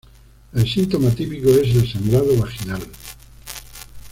El síntoma típico es el sangrado vaginal.